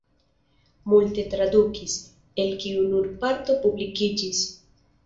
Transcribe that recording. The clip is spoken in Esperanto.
Multe tradukis, el kio nur parto publikiĝis.